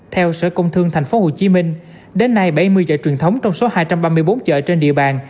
theo sở công thương tp hcm đến nay bảy mươi chợ truyền thống trong số hai trăm ba mươi bốn chợ trên địa bàn